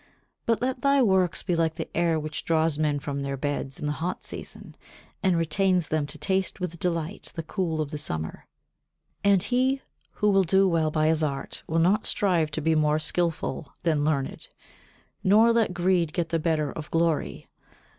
But let thy works be like the air which draws men from their beds in the hot season, and retains them to taste with delight the cool of the summer; and he who will do well by his art will not strive to be more skilful than learned, nor let greed get the better of glory.